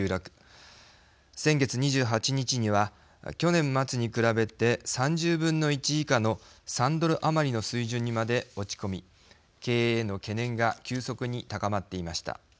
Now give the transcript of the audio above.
先月２８日には去年末に比べて３０分の１以下の３ドル余りの水準にまで落ち込み経営への懸念が急速に高まっていました。